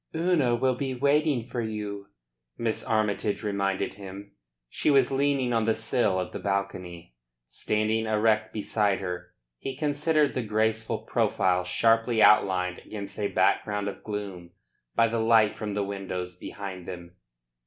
"Una will be waiting for you," Miss Armytage reminded him. She was leaning on the sill of the balcony. Standing erect beside her, he considered the graceful profile sharply outlined against a background of gloom by the light from the windows behind them.